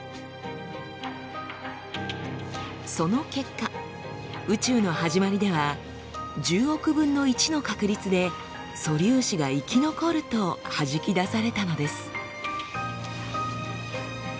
その結果宇宙の始まりでは１０億分の１の確率で素粒子が生き残るとはじき出されたのです。